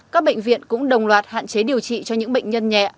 các bệnh viện cũng đồng loạt hạn chế điều trị cho những bệnh nhân nhẹ